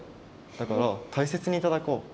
だからたいせつにいただこう。